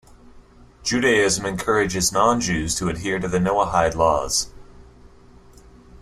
Judaism encourages non-Jews to adhere to the Noahide Laws.